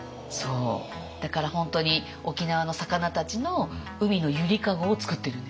だから本当に沖縄の魚たちの海の揺りかごを作ってるんですよ。